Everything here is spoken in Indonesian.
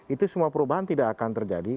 itu semua perubahan tidak akan terjadi